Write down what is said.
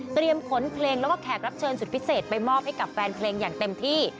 ขนเพลงแล้วก็แขกรับเชิญสุดพิเศษไปมอบให้กับแฟนเพลงอย่างเต็มที่